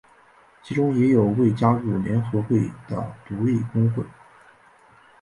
其中也有未加入联合会的独立工会。